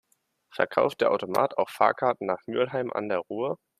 Verkauft der Automat auch Fahrkarten nach Mülheim an der Ruhr?